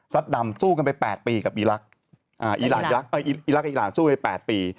ดำสู้กันไป๘ปีกับอีรักษ์อีรักอีหลานสู้ไป๘ปี